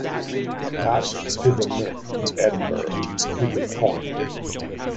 Scots to the mint in Edinburgh to be coined.